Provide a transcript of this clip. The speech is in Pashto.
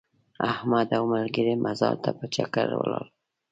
احمد او ملګري مزار ته په چکر ولاړل.